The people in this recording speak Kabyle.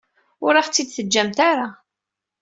Ur aɣ-tt-id-teǧǧamt ara.